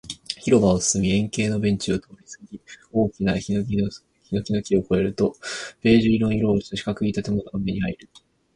広場を進み、円形のベンチを通りすぎ、大きな欅の木を越えると、ベージュ色をした四角い建物が目に入る